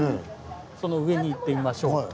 その上に行ってみましょう。